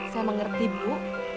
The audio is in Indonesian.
saya mengerti bu